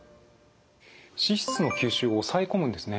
脂質の吸収を抑え込むんですね。